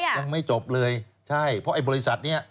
ยังไม่จบเลยใช่เพราะไอ้บริษัทนี้